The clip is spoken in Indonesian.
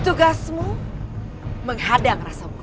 tugasmu menghadang rasa wulan